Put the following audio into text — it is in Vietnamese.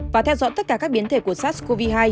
và theo dõi tất cả các biến thể của sars cov hai